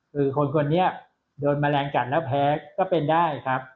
คือคนคนนี้โดนแมลงกัดแล้วแพ้ก็เป็นได้ครับ